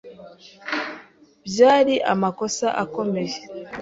Byari amakosa akomeye.